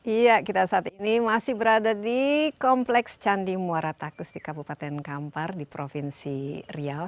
iya kita saat ini masih berada di kompleks candi muara takus di kabupaten kampar di provinsi riau